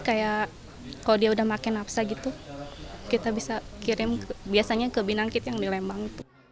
kayak kalau dia udah makin napsa gitu kita bisa kirim biasanya ke binangkit yang di lembang